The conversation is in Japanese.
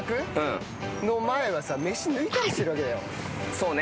そうね